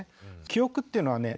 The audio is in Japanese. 記憶っていうのはね